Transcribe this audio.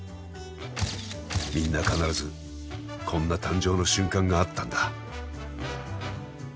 みんな必ずこんな誕生の瞬間があったんだ。